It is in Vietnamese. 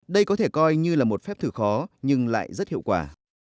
đây có thể coi như là một phép thử khó nhưng lại rất hiệu quả